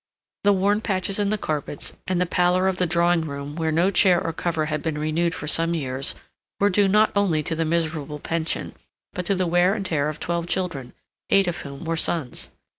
The worn patches in the carpets, and the pallor of the drawing room, where no chair or cover had been renewed for some years, were due not only to the miserable pension, but to the wear and tear of twelve children, eight of whom were sons.